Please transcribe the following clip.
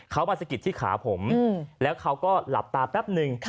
เขามาสะกิดที่ขาผมแล้วเขาก็หลับตาแป๊บนึง